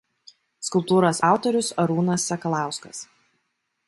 Skulptūros autorius Arūnas Sakalauskas.